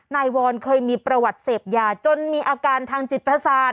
นายวรเคยมีประวัติเสพยาจนมีอาการทางจิตประสาท